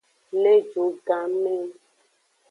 Le ju gan me.